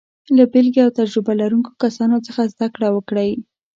له بېلګې او تجربه لرونکو کسانو څخه زده کړه وکړئ.